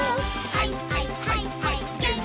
「はいはいはいはいマン」